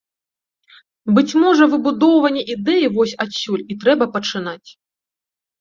Быць можа, выбудоўванне ідэі вось адсюль і трэба пачынаць.